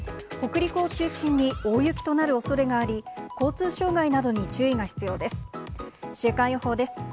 北陸を中心に大雪となるおそれがあり、交通障害などに注意が必要です。